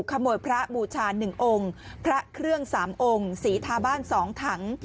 พระบูชา๑องค์พระเครื่อง๓องค์สีทาบ้าน๒ถัง